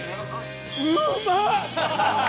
うまっ！